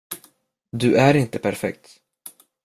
Du är inte perfekt!